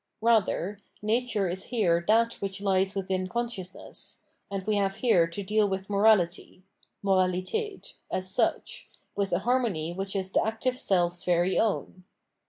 Eather, nature is here that which lies within consciousness ; and we have here to deal with morality {Moralitdt) as such, with a harmony which is the active self's very own.